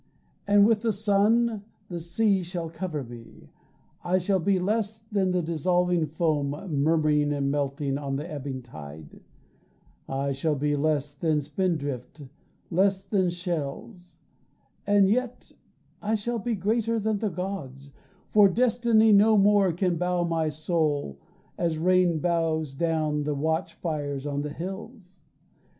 And with the sun the sea shall cover me I shall be less than the dissolving foam Murmuring and melting on the ebbing tide; I shall be less than spindrift, less than shells; And yet I shall be greater than the gods, For destiny no more can bow my soul As rain bows down the watch fires on the hills.